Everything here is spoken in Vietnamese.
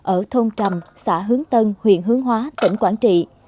ở thôn trầm xã hướng tân huyện hướng hóa tỉnh quảng trị